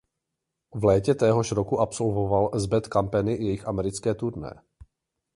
V létě téhož roku absolvoval s Bad Company jejich americké turné.